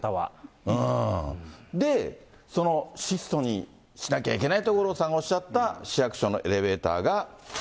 で、その質素にしなきゃいけないと五郎さんがおっしゃった、市役所のこちらです。